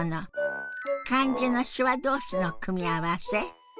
漢字の手話どうしの組み合わせ